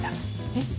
えっ？